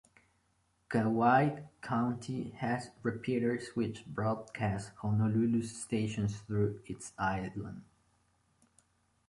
Kauai County has repeaters which broadcast Honolulu's stations through its islands.